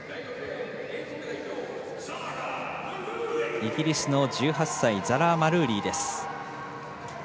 イギリスの１８歳ザラ・マルーリーです。